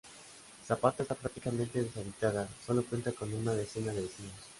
Zapata está prácticamente deshabitada, sólo cuenta con una decena de vecinos.